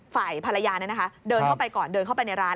ฝ่ายภรรยาเดินเข้าไปก่อนเดินเข้าไปในร้าน